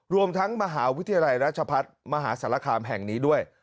รวมทั้งมหาวิทยาลัยราชพัฒน์มหาสารคามแห่งนี้ด้วย